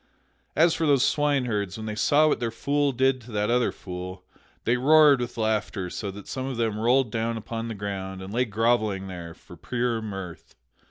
As for those swineherds, when they saw what their fool did to that other fool, they roared with laughter so that some of them rolled down upon the ground and lay grovelling there for pure mirth.